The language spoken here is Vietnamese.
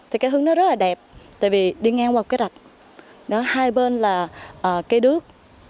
thì cái hướng đó rất là đẹp tại vì đi ngang qua cái rạch hai bên là cây đước